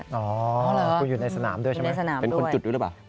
อ๋อคุณอยู่ในสนามด้วยใช่ไหมเป็นคนจุดด้วยหรือเปล่า